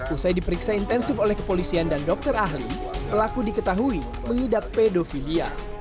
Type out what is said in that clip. usai diperiksa intensif oleh kepolisian dan dokter ahli pelaku diketahui mengidap pedofilia